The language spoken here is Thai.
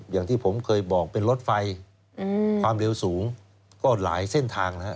อย่างที่ผมเคยบอกจะเป็นรถไฟความเร็วสูง